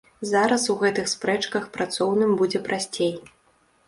Зараз у гэтых спрэчках працоўным будзе прасцей.